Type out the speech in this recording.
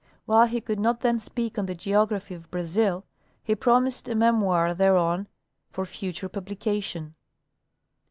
While he could not then speak on the geography of Brazil, he promised a memoir thereon for future publication.